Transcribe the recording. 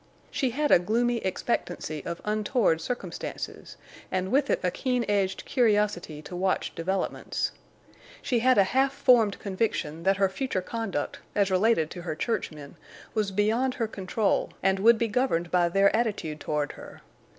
She had a gloomy expectancy of untoward circumstances, and with it a keen edged curiosity to watch developments. She had a half formed conviction that her future conduct—as related to her churchmen—was beyond her control and would be governed by their attitude toward her.